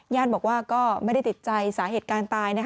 ญาติบอกว่าก็ไม่ได้ติดใจสาเหตุการณ์ตาย